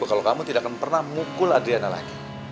kalau kamu tidak akan pernah mengukul adriana lagi